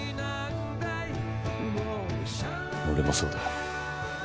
俺もそうだ。